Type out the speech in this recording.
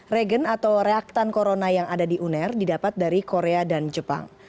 regen atau reaktan corona yang ada di uner didapat dari korea dan jepang